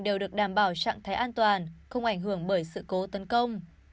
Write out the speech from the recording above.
đều được đảm bảo trạng thái an toàn không ảnh hưởng bởi sự cố tấn công